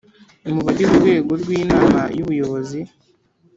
mu bagize Urwego rw Inama y Ubuyobozi